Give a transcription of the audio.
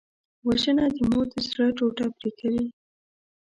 وژنه د مور د زړه ټوټه پرې کوي